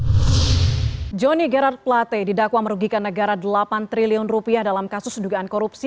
hai jonny gerard plate didakwa merugikan negara delapan triliun rupiah dalam kasus sedugaan korupsi